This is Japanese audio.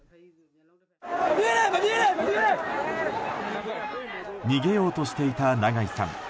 逃げようとしていた長井さん。